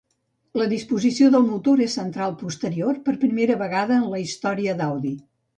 La disposició del motor és central posterior, per primera vegada en la història d'Audi.